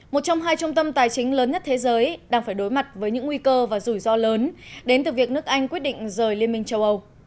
một trong hai trung tâm tài chính lớn nhất thế giới đang phải đối mặt với những nguy cơ và rủi ro lớn đến từ việc nước anh quyết định rời liên minh châu âu